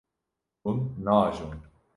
Hûn naajon.